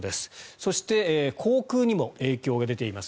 そして航空にも影響が出ています。